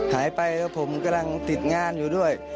หายไปแล้วผมกำลังติดงานอยู่ด้วย